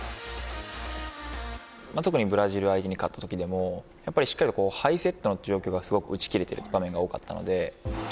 特にブラジル相手に勝ったときでもやっぱりしっかりハイセットの場面が打ち切れている状況が多かったので。